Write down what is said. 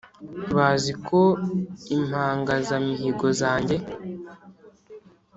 Bazi ko impangazamihigo za njye